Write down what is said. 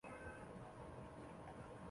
维沙芬是德国下萨克森州的一个市镇。